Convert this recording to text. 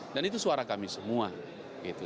dan itu suara kami semua gitu